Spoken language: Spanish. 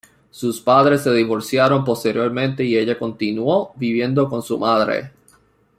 Sus padres se divorciaron posteriormente y ella continuó viviendo con su madre.